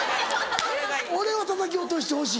俺はたたき落としてほしい。